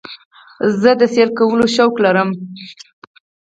زه د سیل کولو شوق لرم.